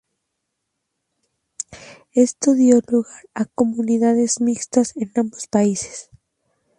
Esto dio lugar a comunidades mixtas en ambos países.